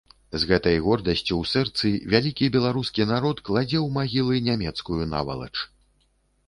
З гэтай гордасцю ў сэрцы вялікі беларускі народ кладзе ў магілы нямецкую навалач.